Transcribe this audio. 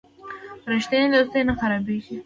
رښتینی دوستي نه خرابیږي.